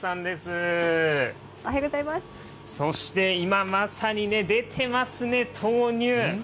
そして今まさにね、出てますね、豆乳。